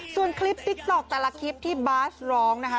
ส่วนคลิปติ๊กต๊อกแต่ละคลิปที่บาสร้องนะคะ